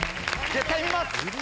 絶対見ます！